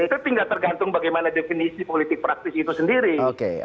itu tinggal tergantung bagaimana definisi politik praktis itu sendiri